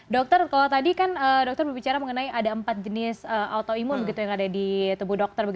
dokter kalau tadi kan dokter berbicara mengenai ada empat jenis autoimun yang ada di tubuh dokter